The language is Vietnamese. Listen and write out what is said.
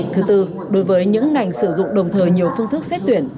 thứ tư đối với những ngành sử dụng đồng thời nhiều phương thức xét tuyển